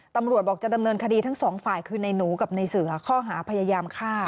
ตำรวจบอกจะดำเนินคดีทั้งสองฝ่ายคือในหนูกับในเสือข้อหาพยายามฆ่า